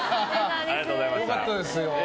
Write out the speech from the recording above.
良かったですよ。